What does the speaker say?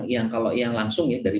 yang kalau yang langsung ya dari